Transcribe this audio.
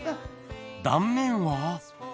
断面は？